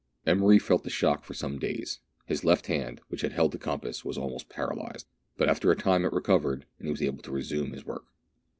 Emery felt the shock for some days : his left hand, which had held the compass, was almost paralyzed ; but after a time it recovered, and he was able to resume his work.